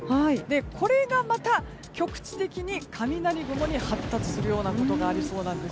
これがまた局地的に雷雲に発達するようなことがありそうなんです。